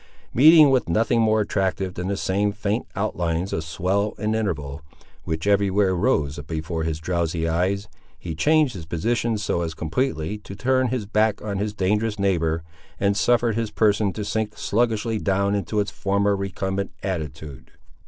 Meeting with nothing more attractive than the same faint outlines of swell and interval, which every where rose before his drowsy eyes, he changed his position so as completely to turn his back on his dangerous neighbour, and suffered his person to sink sluggishly down into its former recumbent attitude.